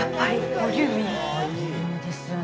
ボリューミーですよね。